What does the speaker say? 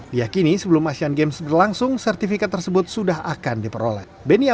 diakini sebelum asian games berlangsung sertifikat tersebut sudah akan diperoleh